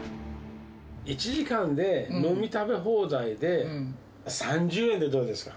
１時間で飲み食べ放題で、３０円でどうですか？